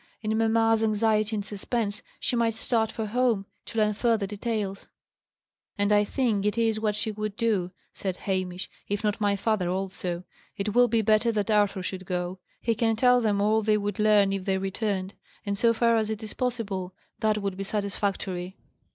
In mamma's anxiety and suspense, she might start for home, to learn further details." "And I think it is what she would do," said Hamish: "if not my father also. It will be better that Arthur should go. He can tell them all they would learn if they returned; and so far as it is possible, that would be satisfactory."